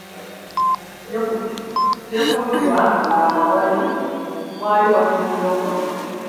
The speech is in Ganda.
Ne kuludda olulala, waali wasimbyeyo mmotoka.